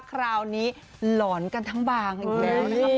คราวนี้หลอนกันทั้งบางอีกแล้วนะครับ